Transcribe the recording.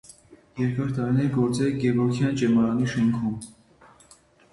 Երկար տարիներ գործել է Գևորգյան ճեմարանի շենքում։